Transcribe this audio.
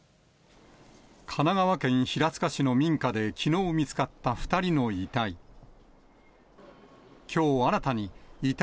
神奈川県平塚市の民家できのう見つかった、２人の遺体。